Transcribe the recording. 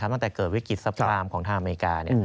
ตั้งแต่เกิดวิกฤตซัพพรามของทางอเมริกา